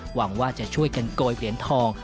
หวังว่าจะช่วยกันโกยเหรียญทอง